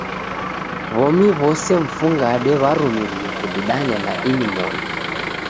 W'omi w'ose mfungade w'arumirie kudedanya na ini moni.